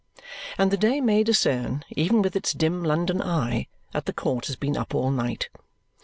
And the day may discern, even with its dim London eye, that the court has been up all night.